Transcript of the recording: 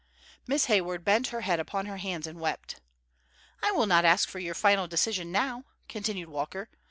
Miss Hayward bent her head upon her hands and wept. "I will not ask for your final decision now!" continued Walker.